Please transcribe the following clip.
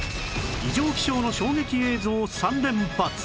異常気象の衝撃映像３連発！